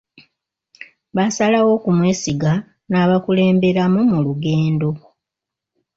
Baasalawo okumwesiga n'abakulemberamu mu lugendo.